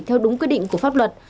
theo đúng quyết định của pháp luật